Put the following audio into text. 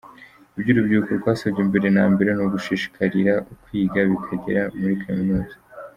Ibyo urubyiruko rwasabwe mbere na mbere ni ugushishikarira kwiga bakagera muri Kaminuza.